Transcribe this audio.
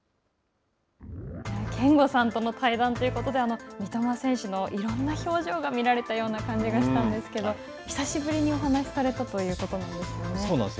憲剛さんとの対談ということで、三笘選手のいろんな表情が見られたような感じがしたんですけど、久しぶりにお話しされたというそうなんです。